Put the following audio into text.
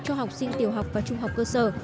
cho học sinh tiểu học và trung học cơ sở